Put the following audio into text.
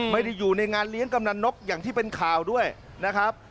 ไม่ได้อยู่ในงานเลี้ยงกำนันนกอย่างที่เป็นข่าวด้วยนะครับ